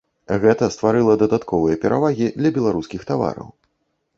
Гэта стварыла дадатковыя перавагі для беларускіх тавараў.